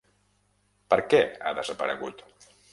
Per què ha desaparegut?